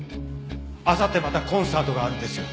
あさってまたコンサートがあるんですよ。